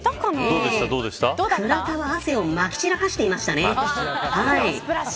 倉田は汗をまき散らしていましたね。